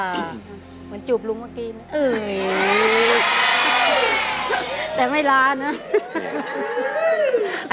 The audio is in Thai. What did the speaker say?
เหมือนจูบลุงเมื่อกี้นะแต่ไม่ล้านนะ